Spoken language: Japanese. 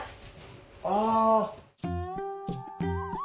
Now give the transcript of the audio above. ああ。